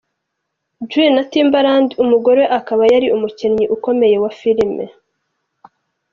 Dre na Timbaland, umugore we akaba yari umukinnyi ukomeye wa filime.